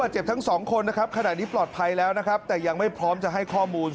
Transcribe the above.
เจ็บทั้งสองคนนะครับขณะนี้ปลอดภัยแล้วนะครับแต่ยังไม่พร้อมจะให้ข้อมูล